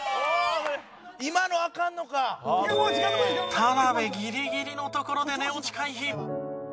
田辺ギリギリのところで寝落ち回避。